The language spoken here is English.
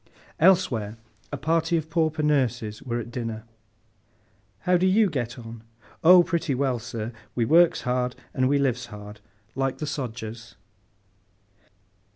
Elsewhere, a party of pauper nurses were at dinner. 'How do you get on?' 'Oh pretty well, sir! We works hard, and we lives hard—like the sodgers!